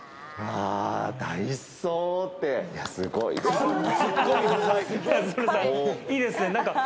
いいですね。